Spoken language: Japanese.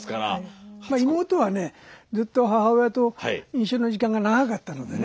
まっ妹はねずっと母親と一緒の時間が長かったのでね。